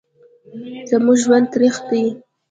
زموږ ژوند تریخ دی